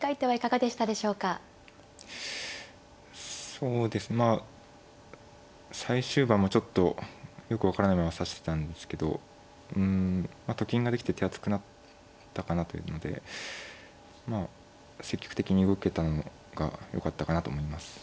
そうですねまあ最終盤もちょっとよく分からないまま指してたんですけどうんと金ができて手厚くなったかなというのでまあ積極的に動けたのがよかったかなと思います。